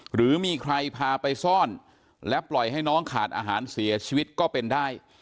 หรือมีใครพาไปซ่อนและปล่อยให้น้องขาดอาหารเสียชีวิตก็เป็นได้